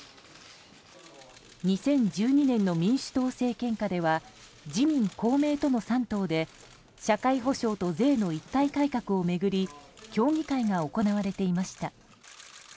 ２０１２年の民主党政権下では自民・公明との３党で社会保障と税の一体改革を巡り協議会が行われていました。